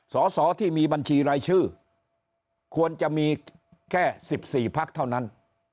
สอสอที่มีบัญชีรายชื่อควรจะมีแค่๑๔พักเท่านั้น